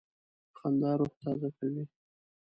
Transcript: خندا روح تازه کوي.